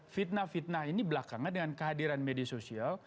fitnah fitnah ini belakangan dengan kehadiran media sosial